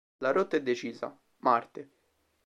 La rotta è decisa: Marte.